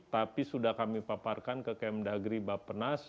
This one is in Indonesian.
tapi sudah kami paparkan ke kemdagri bappenas